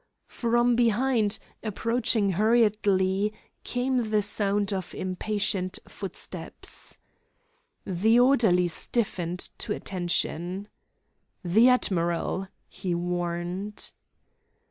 From behind, approaching hurriedly, came the sound of impatient footsteps. The orderly stiffened to attention. "The admiral!" he warned.